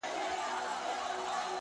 o بيا دادی پخلا سوه ؛چي ستا سومه؛